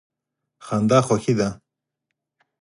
خندا خوښي ده.